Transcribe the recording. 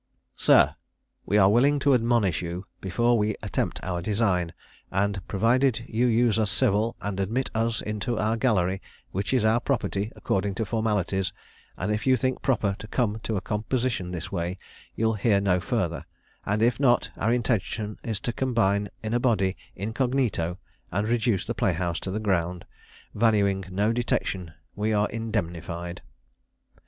"SIR, We are willing to admonish you, before we attempt our design: and provided you use us civil, and admit us into our gallery, which is our property, according to formalities; and if you think proper to come to a composition this way, you'll hear no further; and if not, our intention is to combine in a body, incognito, and reduce the playhouse to the ground; valuing no detection we are indemnified!"